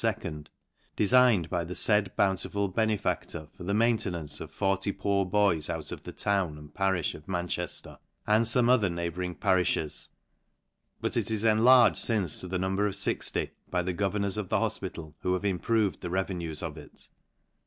de signed by the faid bountiful benefactor for the main tenance , of 40 poor boys out of the town and parifh of Manchefter , and fome other neighbouring parifhes ; but it is enlarged fince to the number of 60, by the governors of the hofpital, who have im proved the revenues of it.